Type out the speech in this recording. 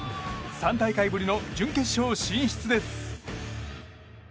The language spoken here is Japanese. ３大会ぶりの準決勝進出です。